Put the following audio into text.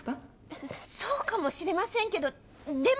そうかもしれませんけどでも。